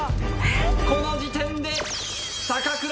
この時点で。